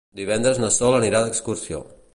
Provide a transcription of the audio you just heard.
Divendres na Sol anirà d'excursió.